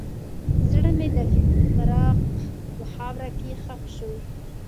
زړه مې د فراق په خاوره کې ښخ شو.